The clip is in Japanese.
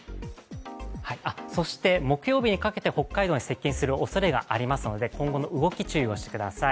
そして木曜日にかけて北海道に接近するおそれがありますので今後の動き、注意をしてください。